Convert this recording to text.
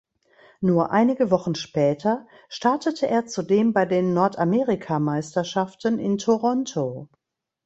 Nur einige Wochen später startete er zudem bei den Nordamerikameisterschaften in Toronto.